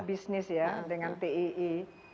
kebisnis ya dengan tii